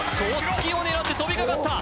隙を狙って飛びかかった！